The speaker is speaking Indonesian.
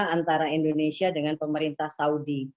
antara indonesia dengan pemerintah saudi